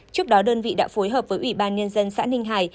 trước đó đơn vị đã phối hợp với ủy ban nhân dân xã ninh hải